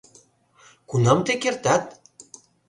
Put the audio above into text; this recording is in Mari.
— Кунам тый кертат?